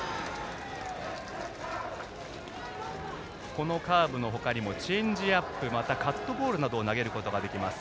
このカーブの他にもチェンジアップまた、カットボールなどを投げることができます。